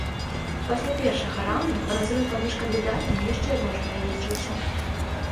Пасля першага раунду разрыў паміж кандыдатамі яшчэ больш павялічыўся.